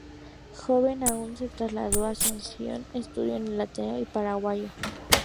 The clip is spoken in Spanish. Joven aún, se trasladado a Asunción, estudió en el Ateneo Paraguayo.